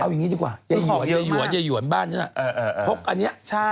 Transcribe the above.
เอาอย่างงี้ดีกว่าอย่าหย่วนบ้านใช่ไหมพกอันเนี่ย